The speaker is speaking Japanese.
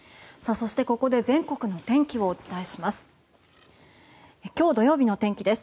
そして、ここで全国の天気をお伝えします。